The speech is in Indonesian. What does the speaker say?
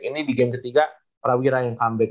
ini di game ketiga prawira yang comeback